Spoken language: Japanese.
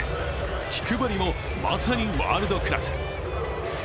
気配りも、まさにワールドクラス。